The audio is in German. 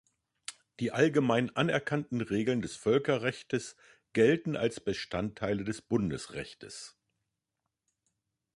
Die allgemein anerkannten Regeln des Völkerrechtes gelten als Bestandteile des Bundesrechtes.